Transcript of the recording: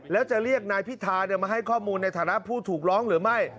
แล้วจะเรียกนายพิธามาให้ข้อมูลในฐานะผู้ถูกร้องหรือไม่